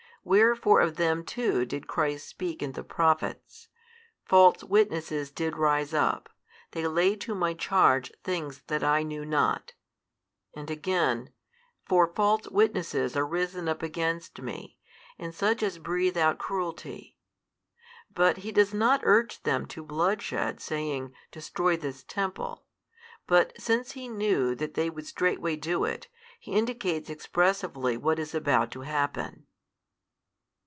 Wherefore of them too did Christ speak in the prophets, False witnesses did rise up: they laid to My charge things that I knew not: and again, For false witnesses are risen up against Me, and such as breathe out cruelty. But He does not urge them to bloodshed saying, Destroy this Temple, but since He knew that they would straightway do it, He indicates expressively what is about to happen.